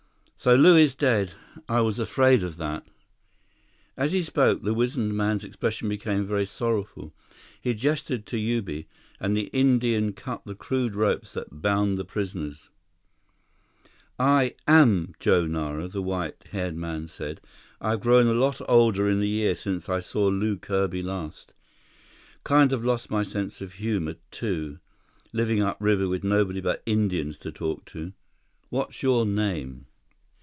"So Lew is dead. I was afraid of that." As he spoke, the wizened man's expression became very sorrowful. He gestured to Ubi, and the Indian cut the crude ropes that bound the prisoners. "I am Joe Nara," the white haired man said. "I've grown a lot older in the years since I saw Lew Kirby last. Kind of lost my sense of humor, too, living upriver with nobody but Indians to talk to. What's your name?"